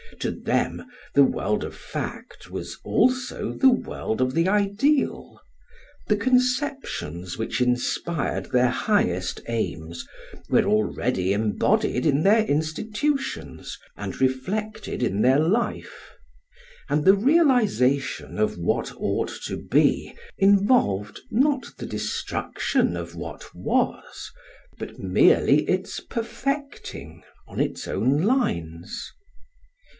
To them the world of fact was also the world of the ideal; the conceptions which inspired their highest aims were already embodied in their institutions and reflected in their life; and the realisation of what ought to be involved not the destruction of what was, but merely its perfecting on its own lines.